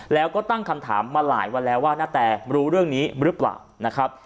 แล้วก็ตั้งคำถามมาหลายวันแล้วว่านาแตรู้เรื่องนี้หรือเปล่านะครับ